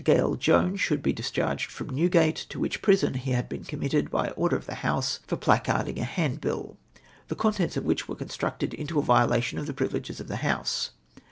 Gale Jones should be dis charged from Newgate, to which prison he had been committed by order of the House, for placardhig a handbill, the contents of which were construed into a violation of the privileges of the House.